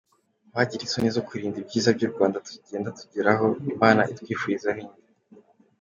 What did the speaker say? Uwagira isoni zo kurinda ibyiza by’ u Rwanda tugenda tugeraho Imana itwifuriza ni nde ?